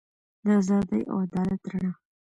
د ازادۍ او عدالت رڼا.